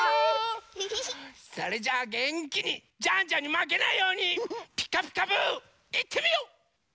それじゃあげんきにジャンジャンにまけないように「ピカピカブ！」いってみよう！